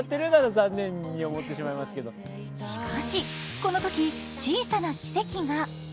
しかし、このとき小さな奇跡が。